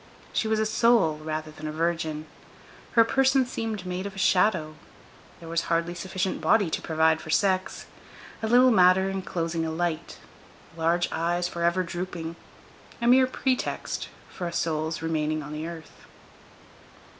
She was a soul rather than a virgin. Her person seemed made of a shadow; there was hardly sufficient body to provide for sex; a little matter enclosing a light; large eyes forever drooping;—a mere pretext for a soul's remaining on the earth.